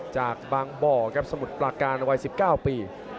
จากบางบ่อครับสมุทรปลาการวัย๑๙ปี